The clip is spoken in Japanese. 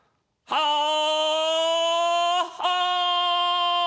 はあ。